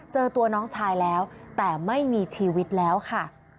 เจอตัวน้องชายแล้วแต่ไม่มีชีวิตแล้วค่ะ